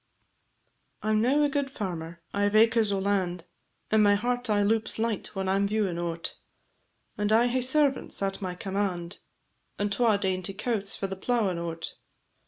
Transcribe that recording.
"_ I 'm now a guid farmer, I 've acres o' land, And my heart aye loups light when I 'm viewing o't, And I hae servants at my command, And twa dainty cowts for the plowin' o't.